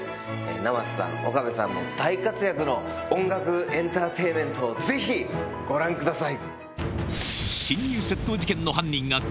生瀬さん岡部さんも大活躍の音楽エンターテインメントをぜひご覧ください！